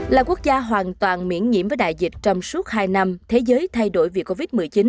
là quốc gia hoàn toàn miễn nhiễm với đại dịch trong suốt hai năm thế giới thay đổi vì covid một mươi chín